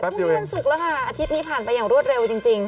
พรุ่งนี้วันศุกร์แล้วค่ะอาทิตย์นี้ผ่านไปอย่างรวดเร็วจริง